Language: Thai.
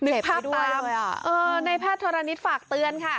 เห็นไปด้วยเหรออ๋อในแพทย์โทรณิชย์ฝากเตือนค่ะ